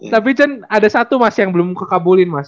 tapi cen ada satu mas yang belum kekabulin mas